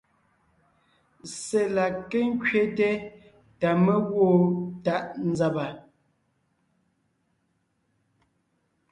Ssé la ké ńkẅéte ta mé gwoon tàʼ nzàba.